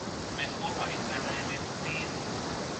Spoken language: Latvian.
Mēs kopā izvēlējāmies flīzes.